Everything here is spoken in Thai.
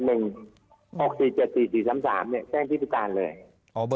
อ๋อเบอร์ตรงของผู้การเลยนะครับ